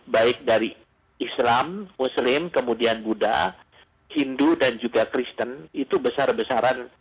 baik dari islam muslim kemudian buddha hindu dan juga kristen itu besar besaran